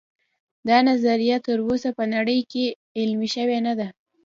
دا نظریه تر اوسه په نړۍ کې عملي شوې نه ده